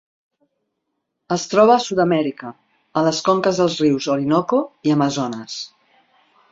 Es troba a Sud-amèrica, a les conques dels rius Orinoco i Amazones.